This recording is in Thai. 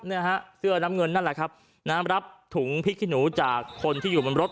เนี่ยฮะเสื้อน้ำเงินนั่นแหละครับน้ำรับถุงพริกขี้หนูจากคนที่อยู่บนรถ